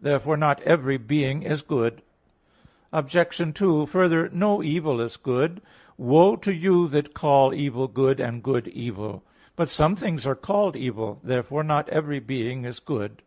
Therefore not every being is good. Obj. 2: Further, no evil is good: "Woe to you that call evil good and good evil" (Isa. 5:20). But some things are called evil. Therefore not every being is good.